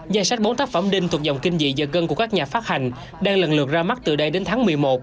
danh sách bốn tác phẩm đinh thuộc dòng kinh dị giờ gân của các nhà phát hành đang lần lượt ra mắt từ đây đến tháng một mươi một